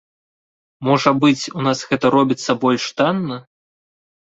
Можа быць, у нас гэта робіцца больш танна?